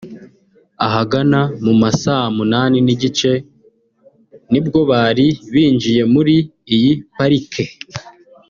Ahagana mu ma saa munani n’igice ni bwo bari binjiye muri iyi parike